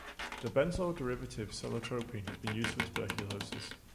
The benzoyl derivative cellotropin has been used for tuberculosis.